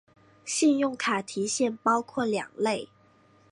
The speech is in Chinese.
信用卡提现包括两类。